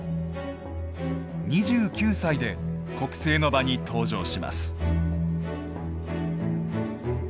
２９歳で国政の場に登場します。